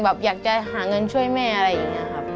แบบอยากจะหาเงินช่วยแม่อะไรอย่างนี้ครับ